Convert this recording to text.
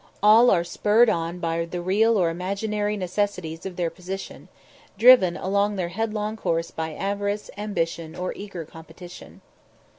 All are spurred on by the real or imaginary necessities of their position, driven along their headlong course by avarice, ambition, or eager competition.